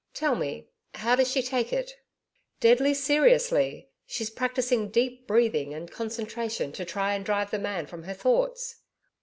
'Tell me, how does she take it?' 'Deadly seriously. She's practising Deep breathing and Concentration to try and drive the man from her thoughts.'